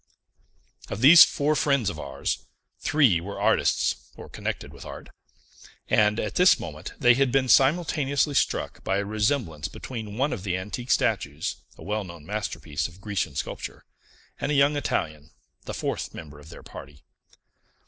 Of these four friends of ours, three were artists, or connected with art; and, at this moment, they had been simultaneously struck by a resemblance between one of the antique statues, a well known masterpiece of Grecian sculpture, and a young Italian, the fourth member of their party.